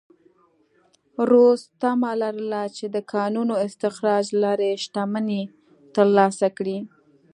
رودز تمه لرله چې د کانونو استخراج له لارې شتمنۍ ترلاسه کړي.